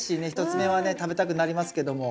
１つ目はね食べたくなりますけども。